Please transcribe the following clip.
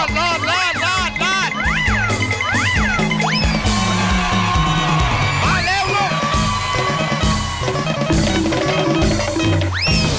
วางเลยวางเลยเร็ว